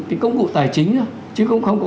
cái công cụ tài chính chứ không có